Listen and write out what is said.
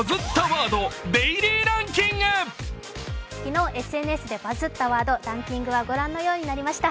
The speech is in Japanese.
昨日、ＳＮＳでバズったワードご覧のようになりました。